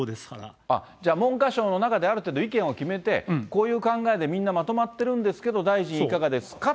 あっ、じゃあ、文科省の中で、ある程度意見を決めて、こういう考えでみんなまとまってるんですけど、大臣いかがですか？